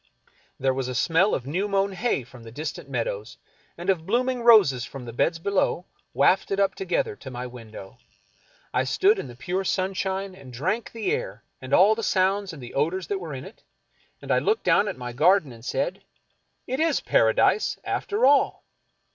There was a smell of new mown hay from the distant meadows, and of blooming roses from the beds below, wafted up together to my window. I stood in the pure sun shine and drank the air and all the sounds and the odors that were in it ; and I looked down at my garden and said :" It is Paradise, after all."